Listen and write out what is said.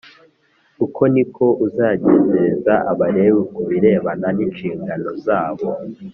Uko ni ko uzagenzereza Abalewi ku birebana n inshingano zabo